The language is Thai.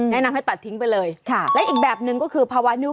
แนะนำให้ตัดทิ้งไปเลยค่ะและอีกแบบหนึ่งก็คือภาวะนิ้ว